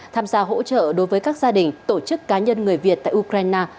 tham gia hỗ trợ đối với các gia đình tổ chức cá nhân người việt tại ukraine